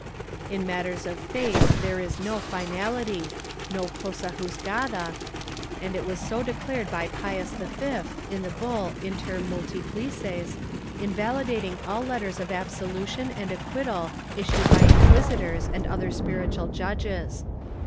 In matters of faith there was no finality, no cosa juzgada, and it was so declared by Pius V, in the bull Inter muUtplices, invalidating all letters of absolution and acquittal issued by in quisitors and other spiritual judges.